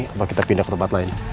coba kita pindah ke tempat lain